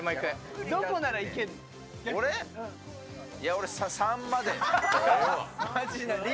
俺、３まで。